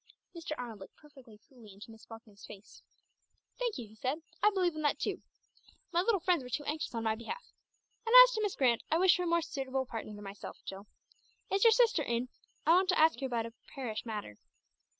Mr. Arnold looked perfectly coolly into Miss Falkner's face. "Thank you," he said. "I believe in that too. My little friends were too anxious on my behalf. And as to Miss Grant, I wish her a more suitable partner than myself, Jill. Is your sister in? I want to ask her about a parish matter."